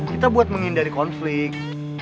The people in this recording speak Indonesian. kita buat menghindari konflik